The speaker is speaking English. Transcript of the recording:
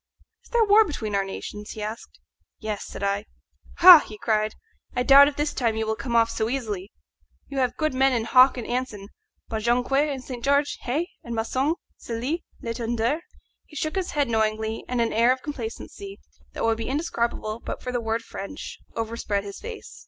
"Is there war between our nations?" he asked. "Yes," said I. "Ha!" he cried, "I doubt if this time you will come off so easily. You have good men in Hawke and Anson; but Jonquière and St. George, hey? and Maçon, Cellie, Letenduer!" He shook his head knowingly, and an air of complacency, that would be indescribable but for the word French, overspread his face.